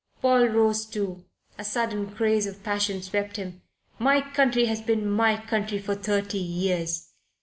Paul rose too. A sudden craze of passion swept him. "My country has been my country for thirty years.